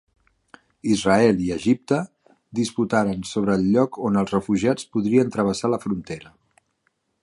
Israel i Egipte disputaren sobre el lloc on els refugiats podrien travessar la frontera.